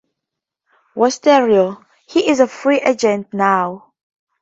Westerlo, he is a free agent now.